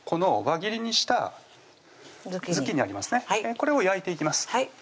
これを焼いていきます